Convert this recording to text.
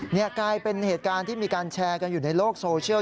นี่กลายเป็นเหตุการณ์ที่มีการแชร์กันอยู่ในโลกโซเชียล